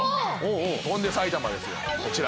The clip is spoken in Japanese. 『翔んで埼玉』ですよこちら。